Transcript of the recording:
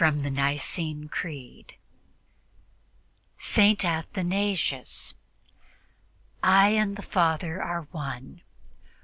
The Truce of God SAINT ATHANASIUS "I and the Father are one."